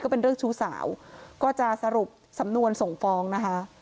เป็นเรื่องชู้สาวก็จะสรุปสำนวนส่งฟ้องนะคะ